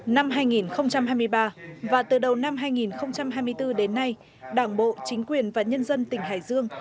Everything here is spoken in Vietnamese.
năm hai nghìn hai mươi ba và từ đầu năm hai nghìn hai mươi bốn đến nay đảng bộ chính quyền và nhân dân tỉnh hải dương